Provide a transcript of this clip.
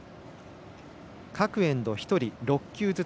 各エンド１人６球ずつ。